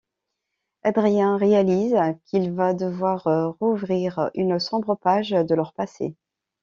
Adrien réalise qu'il va devoir rouvrir une sombre page de leur passé...